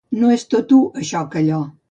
No és tot u això que allò.